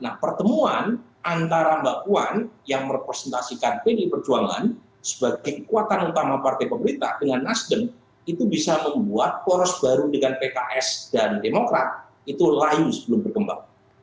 nah pertemuan antara mbak puan yang merepresentasikan pdi perjuangan sebagai kekuatan utama partai pemerintah dengan nasdem itu bisa membuat poros baru dengan pks dan demokrat itu layu sebelum berkembang